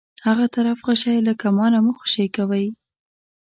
هغه طرف غشی له کمانه مه خوشی کوئ.